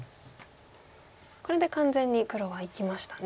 これで完全に黒は生きましたね。